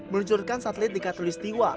meluncurkan satelit di katolik setiwa